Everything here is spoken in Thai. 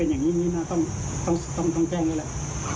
ไม่มีเลย